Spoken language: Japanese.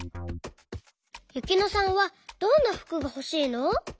ゆきのさんはどんなふくがほしいの？